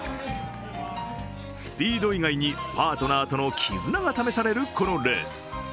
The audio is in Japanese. スピード以外にパートナーとの絆が試されるこのレース。